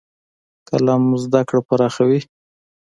قلم زده کړه پراخوي.